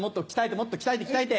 もっと鍛えて鍛えて。